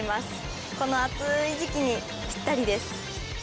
この暑い時季にぴったりです。